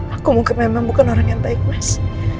aku mungkin memang bukan orang yang baik mas